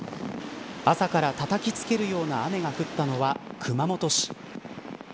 朝からたたきつけるような雨が降ったのは熊本市。